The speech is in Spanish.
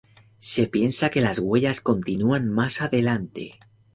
Se piensa que las huellas continúan más adelante.